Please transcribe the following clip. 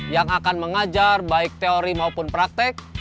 yang akan mengajar baik teori maupun praktek